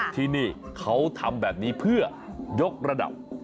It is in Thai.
ที่นี่เขาทำแบบนี้เพื่อยกระดับ